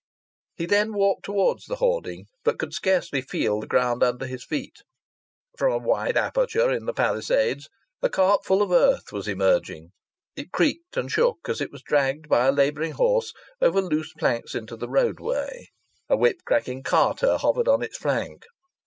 He then walked towards the hoarding, but could scarcely feel the ground under his feet. From a wide aperture in the palisades a cart full of earth was emerging; it creaked and shook as it was dragged by a labouring horse over loose planks into the roadway; a whip cracking carter hovered on its flank.